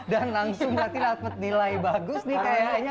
dan langsung berarti dapat nilai bagus nih kayaknya ya